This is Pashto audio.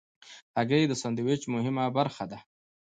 هګۍ د سندویچ مهمه برخه ده.